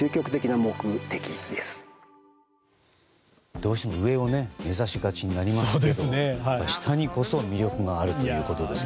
どうしても上を目指しがちになりますけど下にこそ魅力があるということですね。